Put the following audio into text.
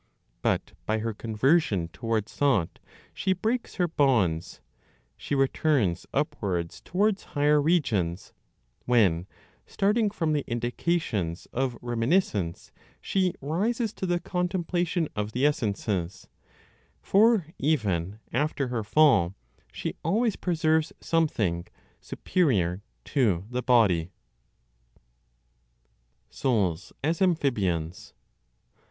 But by her conversion towards thought, she breaks her bonds, she returns upwards towards higher regions, when, starting from the indications of reminiscence she rises to the contemplation of the essences; for even after her fall she always preserves something superior to the body. SOULS AS AMPHIBIANS.